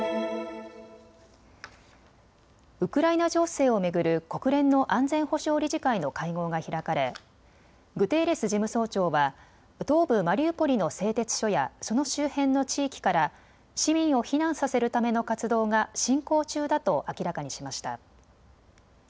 ウクライナ情勢を巡る国連の安全保障理事会の会合が開かれグテーレス事務総長は東部マリウポリの製鉄所やその周辺の地域から市民を避難させるための活動が進行中だと明らかにしました。